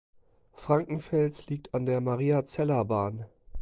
Frankenfels liegt an der Mariazellerbahn.